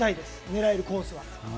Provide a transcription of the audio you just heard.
狙えるコースは。